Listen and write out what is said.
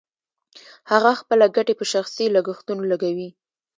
هغه خپله ګټه په شخصي لګښتونو لګوي